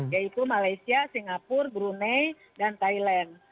yaitu malaysia singapura brunei dan thailand